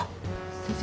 先生